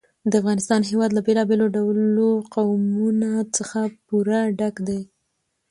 د افغانستان هېواد له بېلابېلو ډولو قومونه څخه پوره ډک دی.